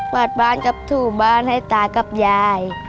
วาดบ้านกับถูบ้านให้ตากับยาย